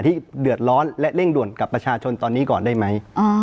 ที่เดือดร้อนและเร่งด่วนกับประชาชนตอนนี้ก่อนได้ไหม